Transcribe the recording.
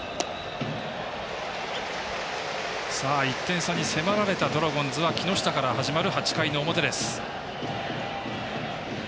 １点差に迫られたドラゴンズは木下から始まる８回の表。